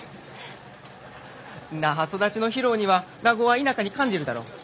那覇育ちの博夫には名護は田舎に感じるだろ？